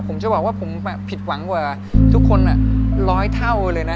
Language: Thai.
ผมจะบอกว่าผมผิดหวังกว่าทุกคนร้อยเท่าเลยนะ